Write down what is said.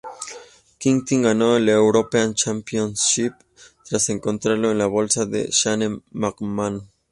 Knight ganó el European Championship tras encontrarlo en la bolsa de Shane McMahon.